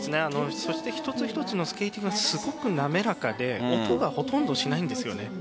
そして一つ一つのスケーティングがすごく滑らかで音がほとんどしないです。